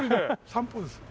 散歩です。